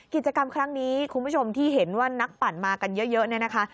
กิจกรรมครั้งนี้คุณผู้ชมที่เห็นว่านักปั่นมากันเยอะเนี่ยนะคะ